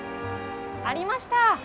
ありました！